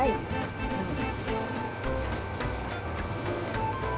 うん。